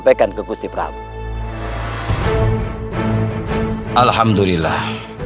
baik terima kasih